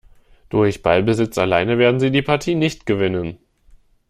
Durch Ballbesitz alleine werden sie die Partie nicht gewinnen.